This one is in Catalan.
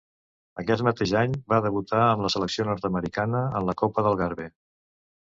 Aquest mateix any va debutar amb la selecció nord-americana, en la Copa d'Algarve.